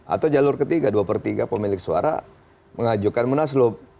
atau jalur ketiga dua per tiga pemilik suara mengajukan munaslup